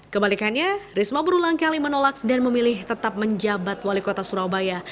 kebalikannya risma berulang kali menolak dan memilih tetap menjabat wali kota surabaya